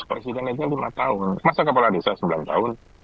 presiden itu kan lima tahun masa kepala desa sembilan tahun